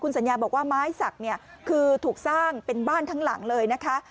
สัญญาบอกว่าไม้สักเนี่ยคือถูกสร้างเป็นบ้านทั้งหลังเลยนะคะ